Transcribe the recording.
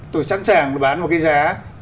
tôi sẵn sàng bán một cái giá